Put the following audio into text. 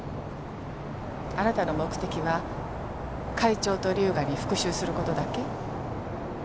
あなたの目的は会長と龍河に復讐する事だけ？